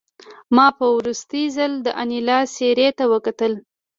ما په وروستي ځل د انیلا څېرې ته وکتل